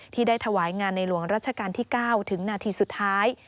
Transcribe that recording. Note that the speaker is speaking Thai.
ที่ได้ถวายงานในหลวงรัชกาลที่๙ถึงนาทีสุดท้าย